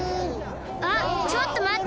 あっちょっとまって！